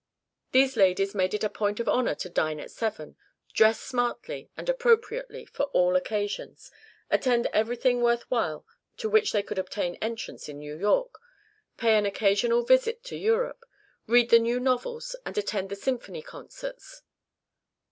These ladies made it a point of honor to dine at seven, dress smartly and appropriately for all occasions, attend everything worth while to which they could obtain entrance in New York, pay an occasional visit to Europe, read the new novels and attend the symphony concerts.